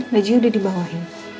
laju udah dibawain